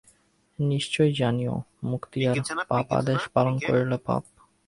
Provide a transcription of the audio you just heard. নিশ্চয়ই জানিয়ো মুক্তিয়ার, পাপ আদেশ পালন করিলে পাপ।